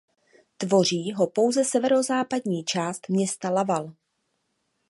Tvoří ho pouze severozápadní část města Laval.